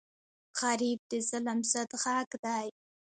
غریب د ظلم ضد غږ دی